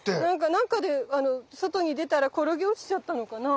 何かで外に出たら転げ落ちちゃったのかな？